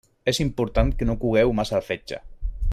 És important que no cogueu massa el fetge.